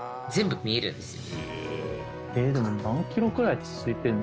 でも何キロくらい続いてるの？